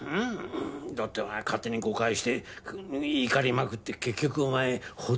だってお前勝手に誤解して怒りまくって結局お前ホッとしてさ。